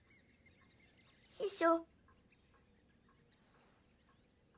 師匠。